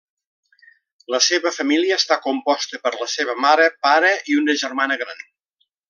La seva família està composta per la seva mare, pare, i una germana gran.